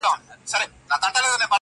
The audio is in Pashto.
کلونه وروسته هم يادېږي تل-